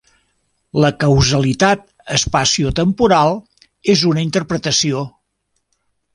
La causalitat espaciotemporal és una interpretació.